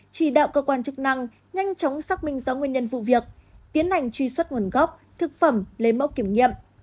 chỉ đạo cơ quan chức năng nhanh chóng xác minh rõ nguyên nhân vụ việc tiến hành truy xuất nguồn gốc thực phẩm lấy mẫu kiểm nghiệm